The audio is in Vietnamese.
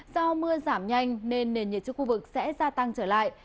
do mưa giảm nhanh nên nền nhiệt cho khu vực sẽ gia tăng trở lại